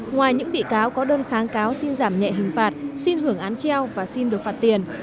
ngoài những bị cáo có đơn kháng cáo xin giảm nhẹ hình phạt xin hưởng án treo và xin được phạt tiền